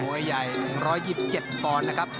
โอ้ยใหญ่๑๒๗ตอนนะครับ